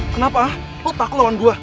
kenapa kok takut lawan gue